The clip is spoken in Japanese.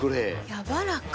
やわらか。